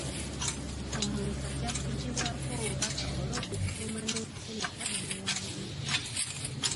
Omuntu ajja kujjibwako obubaka olw'okukuuma n'okutereka ebiwandiiko.